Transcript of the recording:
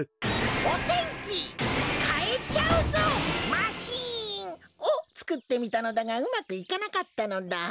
お天気かえちゃうぞマシーン！をつくってみたのだがうまくいかなかったのだ。